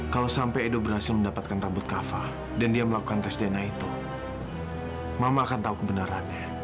kalau sampai edo berhasil mendapatkan rambut kava dan dia melakukan tes dna itu mama akan tahu kebenarannya